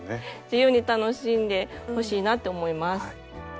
自由に楽しんでほしいなって思います。